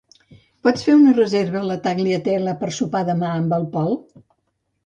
Pots fer una reserva a la Tagliatella per sopar demà amb el Pol?